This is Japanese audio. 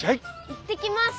行ってきます！